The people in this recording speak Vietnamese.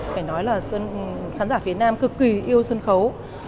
phải nói là khán giả phía nam cực kỳ yêu sân khấu